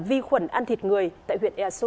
vi khuẩn ăn thịt người tại huyện ea su